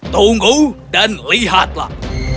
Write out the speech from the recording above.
tunggu dan lihatlah